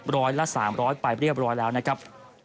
ร้อยละ๓๐๐ไปเรียบร้อยแล้วนะครับ